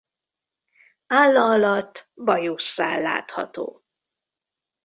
Álla alatt bajuszszál látható.